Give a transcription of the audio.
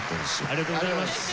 ありがとうございます。